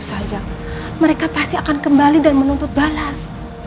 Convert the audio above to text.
saja mereka pasti akan kembali dan menuntut balas